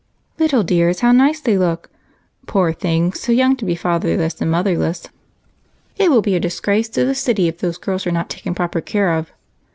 "Little dears, how nice they look!" "Poor things, so young to be fatherless and motherless." "It will be a disgrace to the city if those girls are not taken proper care of."